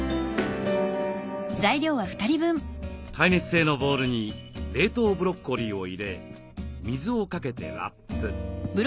耐熱性のボウルに冷凍ブロッコリーを入れ水をかけてラップ。